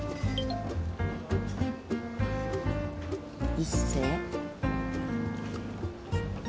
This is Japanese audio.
一星？